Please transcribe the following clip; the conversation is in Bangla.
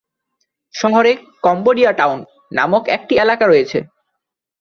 শহরে "কম্বোডিয়া টাউন" নামক একটি এলাকা রয়েছে।